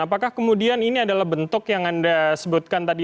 apakah kemudian ini adalah bentuk yang anda sebutkan tadi